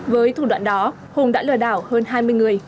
với thủ đoạn đó hùng đã lừa đảo hơn hai mươi người